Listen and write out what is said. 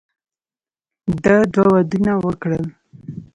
ده دوه ودونه وکړل.